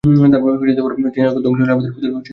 জেনে রেখ, ধ্বংসই হলো হূদের সম্প্রদায় আদের পরিণাম।